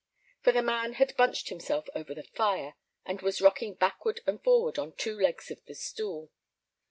For the man had bunched himself over the fire, and was rocking backward and forward on two legs of the stool.